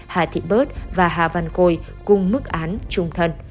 hà thị bớt và hà văn khôi cùng mức án trung thân